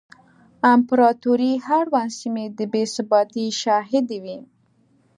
امپراتورۍ اړونده سیمې د بې ثباتۍ شاهدې وې